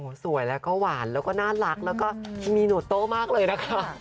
สวยแล้วก็หวานแล้วก็น่ารักแล้วก็มีหนวดโต้มากเลยนะคะ